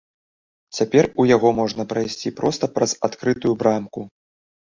Цяпер у яго можна прайсці проста праз адкрытую брамку.